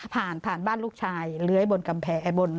ผ่านผ่านบ้านลูกชายเลื้อยบนกำแพงบน